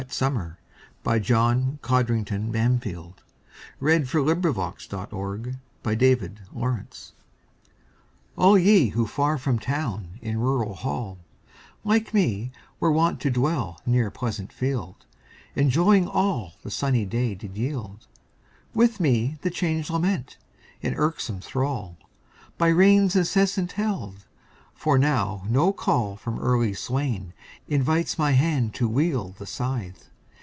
C D . E F . G H . I J . K L . M N . O P . Q R . S T . U V . W X . Y Z Sonnet on a Wet Summer ALL ye who far from town in rural hall, Like me, were wont to dwell near pleasant field, Enjoying all the sunny day did yield, With me the change lament, in irksome thrall, By rains incessant held; for now no call From early swain invites my hand to wield The scythe.